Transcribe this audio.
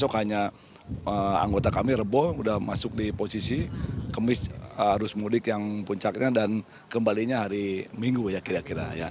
hanya anggota kami reboh sudah masuk di posisi kemis arus mudik yang puncaknya dan kembalinya hari minggu ya kira kira